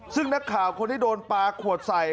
ซึ่งนักข่าวคนที่โดนปลาขวดใส่